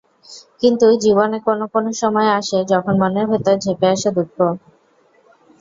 কিন্তু জীবনে কোনো কোনো সময় আসে, যখন মনের ভেতর ঝেঁপে আসে দুঃখ।